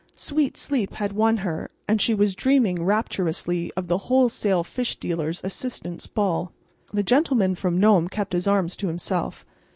Sweet sleep had won her, and she was dreaming rapturously of the Wholesale Fish Dealers' Assistants' ball. The gentleman from Nome kept his arms to himself.